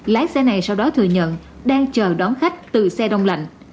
lái xe này sau đó thừa nhận đang chờ đón khách từ xe đông lạnh